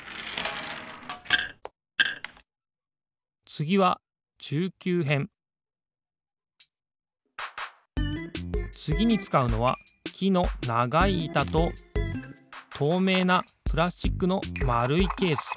つぎはつぎにつかうのはきのながいいたととうめいなプラスチックのまるいケース。